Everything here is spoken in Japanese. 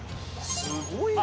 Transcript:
すごいな。